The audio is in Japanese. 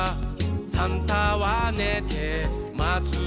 「サンタはねてまつのだ」